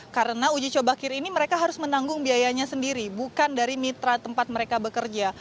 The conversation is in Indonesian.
karena uji coba kir ini mereka harus menanggung biayanya sendiri bukan dari mitra tempat mereka bekerja